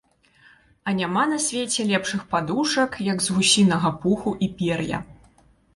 А няма на свеце лепшых падушак, як з гусінага пуху і пер'я.